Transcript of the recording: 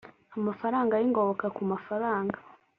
amafaranga y ingoboka ku mafaranga